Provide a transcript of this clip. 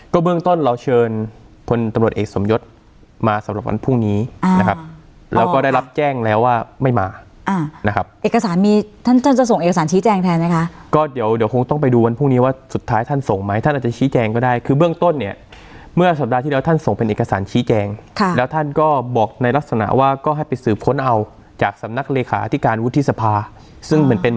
ก็เบื้องต้นเราเชิญคนตำรวจเอกสมยศมาสำหรับวันพรุ่งนี้นะครับแล้วก็ได้รับแจ้งแล้วว่าไม่มาอ่ะนะครับเอกสารมีท่านจะส่งเอกสารชี้แจ้งแทนนะคะก็เดี๋ยวเดี๋ยวคงต้องไปดูวันพรุ่งนี้ว่าสุดท้ายท่านส่งไหมท่านอาจจะชี้แจ้งก็ได้คือเบื้องต้นเนี่ยเมื่อสัปดาห์ที่แล้วท่านส่งเป็นเอกสารชี้แจ้ง